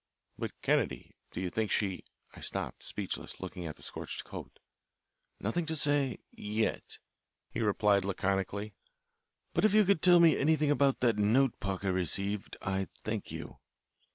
"But, Kennedy, do you think she " I stopped, speechless, looking at the scorched coat. "Nothing to say yet," he replied laconically. "But if you could tell me anything about that note Parker received I'd thank you."